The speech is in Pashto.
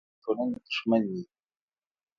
بدرنګه خوی د ټولنې دښمن وي